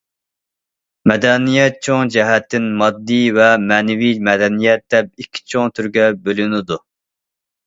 مەدەنىيەت چوڭ جەھەتتىن ماددىي ۋە مەنىۋى مەدەنىيەت دەپ ئىككى چوڭ تۈرگە بۆلۈنىدۇ.